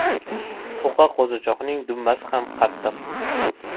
• To‘qqa qo‘zichoqning dumbasi ham qattiq.